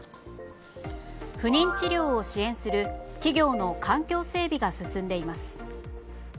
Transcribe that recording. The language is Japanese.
不妊治療を支援する企業の環境整備が進んでいます。